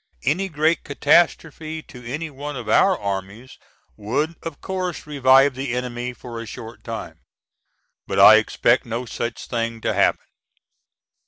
Any great catastrophe to any one of our armies would of course revive the enemy for a short time. But I expect no such thing to happen.